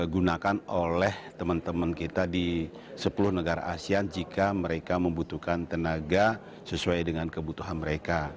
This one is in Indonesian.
gunakan oleh teman teman kita di sepuluh negara asean jika mereka membutuhkan tenaga sesuai dengan kebutuhan mereka